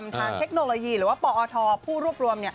ทางเทคโนโลยีหรือว่าปอทผู้รวบรวม